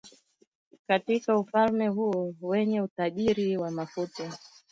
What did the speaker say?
katika ufalme huo wenye utajiri wa mafuta